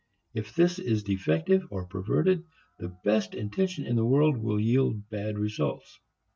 If this is defective or perverted, the best intention in the world will yield bad results.